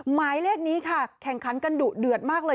หมายเลขนี้ค่ะแข่งขันกันดุเดือดมากเลย